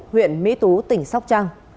huyện mỹ tú tỉnh sóc trăng